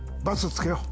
付けよう。